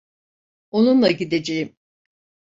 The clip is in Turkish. Onunla gideceğim.